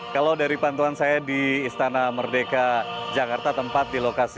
kalau dari pantuan saya di istana merdeka jakarta tempat dilokasi